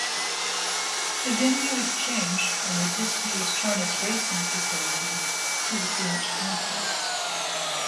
The venue had changed from a disused Harness Racing facility to the current complex.